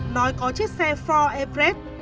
nói có chiếc xe ford everest